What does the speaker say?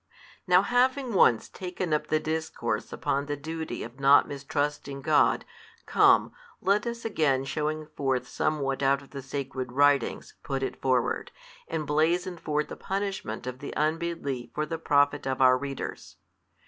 Now having once taken up the discourse upon the duty of not mistrusting God, come, let us again shewing forth somewhat out of the sacred writings, put it forward, and blazon forth the punishment of the unbelief for the profit of our readers.